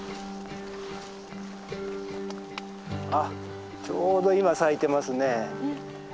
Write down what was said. あっちょうど今咲いてますね。